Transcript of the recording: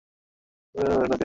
কোনোকিছুতেই না করি না ওকে।